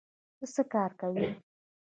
ته څه کار کوې؟